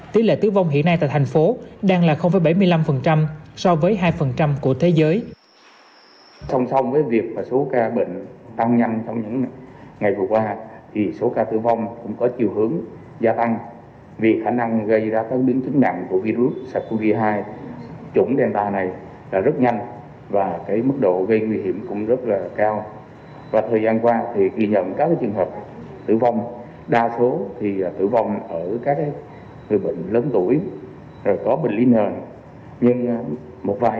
tỷ lệ tử vong hiện nay tại thành phố đang là bảy mươi năm so với hai của thế giới